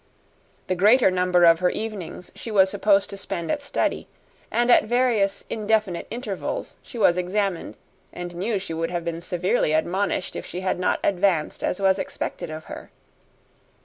The greater number of her evenings she was supposed to spend at study, and at various indefinite intervals she was examined and knew she would have been severely admonished if she had not advanced as was expected of her.